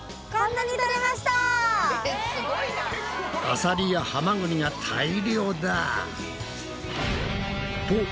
アサリやハマグリが大漁だ！